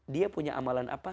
dia punya amalan apa